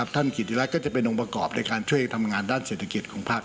กิติรัฐก็จะเป็นองค์ประกอบในการช่วยทำงานด้านเศรษฐกิจของภาค